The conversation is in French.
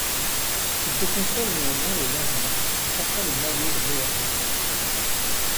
Il se console néanmoins le lendemain en portant le maillot de meilleur grimpeur.